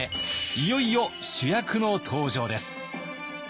いよいよ主役の登場です。